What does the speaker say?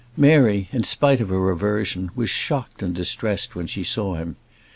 Mary, in spite of her aversion, was shocked and distressed when she saw him.